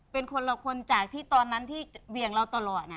เป็นคนละคนจากที่ตอนนั้นที่เหวี่ยงเราตลอด